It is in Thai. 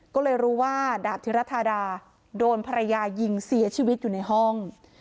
ก็เลยรู้ว่าดาบธิรธาดาโดนภรรยายิงเสียชีวิตอยู่ในห้อง